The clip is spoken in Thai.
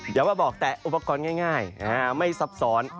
เดี๋ยวว่าบอกแตะอุปกรณ์ง่ายไม่ซับซ้อน